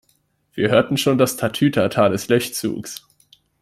Wir hörten schon das Tatütata des Löschzugs.